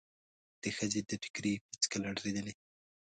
د ښځې د ټکري پيڅکې لړزېدلې.